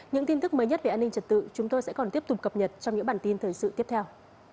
những tin tức mới nhất về an ninh trật tự chúng tôi sẽ còn tiếp tục cập nhật trong những bản tin thời sự tiếp theo